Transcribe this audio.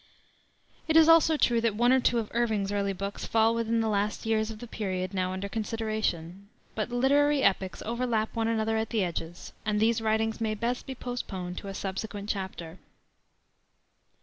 It is also true that one or two of Irving's early books fall within the last years of the period now under consideration. But literary epochs overlap one another at the edges, and these writings may best be postponed to a subsequent chapter.